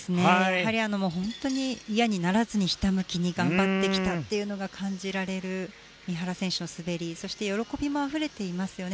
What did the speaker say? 本当に嫌にならずにひたむきに頑張ってきたというのが感じられる、三原選手の滑りそして、喜びもあふれていますよね。